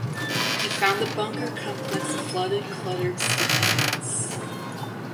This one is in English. He found the bunker complex a flooded, cluttered, stinking mess.